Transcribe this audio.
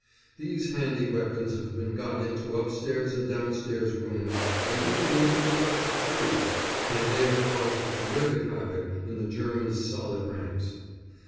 These handy weapons have been got into upstairs and downstairs rooms and even into the tops of trees, and they have caused terrific havoc in the Germans' solid ranks.